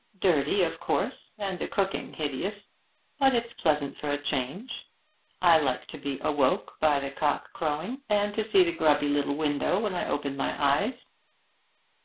Dirty, of course, and the cooking hideous; but it's pleasant for a change. I like to be awoke by the cock crowing, and to see the grubby little window when I open my eyes.'